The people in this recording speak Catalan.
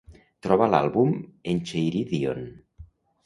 Troba l'àlbum Encheiridion.